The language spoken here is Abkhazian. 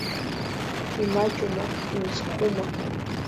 Имаҷума, имцхәума.